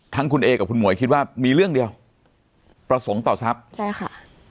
ทั้งคุณเอกับคุณหมวยคิดว่ามีเรื่องเดียวประสงค์ต่อทรัพย์ใช่ค่ะ